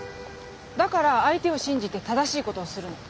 だから相手を信じて正しいことをするの。